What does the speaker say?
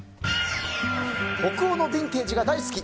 北欧のビンテージが大好き！